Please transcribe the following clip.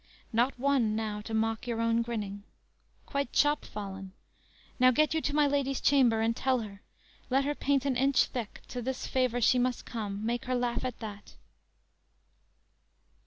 Not one now, to mock your own grinning! Quite chop fallen? Now get you to my lady's chamber, And tell her, let her paint an inch thick, To this favor she must come; Make her laugh at that!"